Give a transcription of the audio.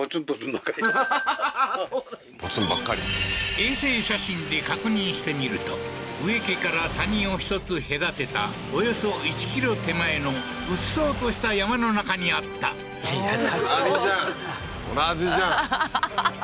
衛星写真で確認してみると宇恵家から谷を１つへだてたおよそ１ｋｍ手前のうっそうとした山の中にあった確かに同じじゃん同じじゃん